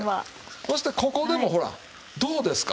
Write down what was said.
そしてここでもほらどうですか？